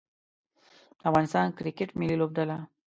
د افغانستان کرکټ ملي لوبډله